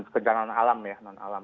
bencana alam ya